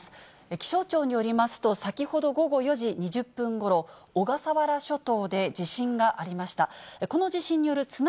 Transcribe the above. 気象庁によりますと、先ほど午後４時２０分ごろ、小笠原諸島で地震がありました。